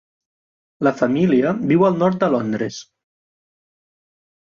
La família viu al nord de Londres.